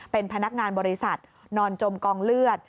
เป็นพนักงานบริษัทนอนจมกองเลือด